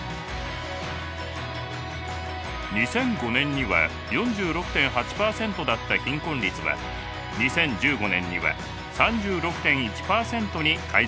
２００５年には４６．８％だった貧困率は２０１５年には３６．１％に改善しています。